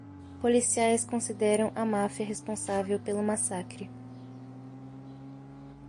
Policiais consideram a máfia responsável pelo massacre.